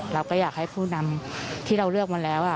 เราก็อยากให้ผู้นำที่เราเลือกมาแล้ว